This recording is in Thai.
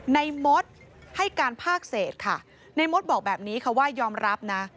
มดให้การภาคเศษค่ะในมดบอกแบบนี้ค่ะว่ายอมรับนะ